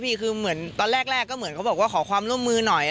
คือเหมือนตอนแรกก็เหมือนเขาบอกว่าขอความร่วมมือหน่อย